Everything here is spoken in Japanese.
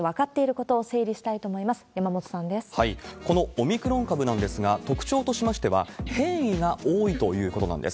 このオミクロン株なんですが、特徴としましては、変異が多いということなんです。